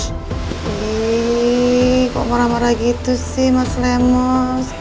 ih kok marah marah gitu sih mas lemos